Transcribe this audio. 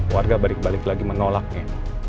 warga balik balik lagi menolaknya